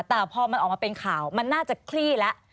แต่พอมันออกมาเป็นข่าวมันน่าจะคลี่แล้ว